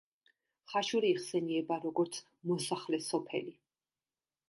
ხაშური იხსენიება, როგორც მოსახლე სოფელი.